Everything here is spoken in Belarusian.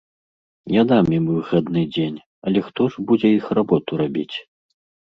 Я дам ім выхадны дзень, але хто ж будзе іх работу рабіць?